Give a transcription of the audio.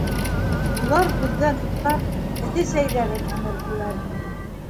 Улар, һүҙҙән туҡтап, эҫе сәйҙәрен һемерҙеләр.